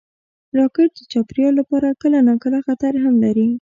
راکټ د چاپېریال لپاره کله ناکله خطر هم لري